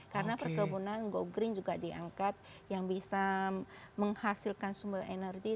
karena perkebunan go green juga diangkat yang bisa menghasilkan sumber energi